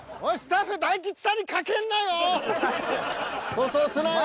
粗相すなよ。